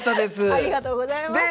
ありがとうございます。